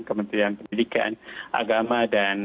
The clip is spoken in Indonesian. kementerian pendidikan agama dan